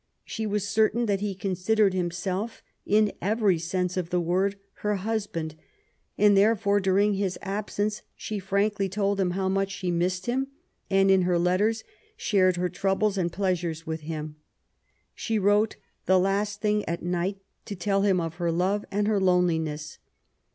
She was certain that he considered himself, in every sense of the word, her husband ; and therefore, during his absence^ she frankly told him how much she missed him, and in her letters shared her troubles and pleasures with him. She wrote the last thing at night to tell him of her love and her loneliness.